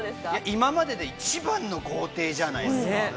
今までで一番の豪邸じゃないですか。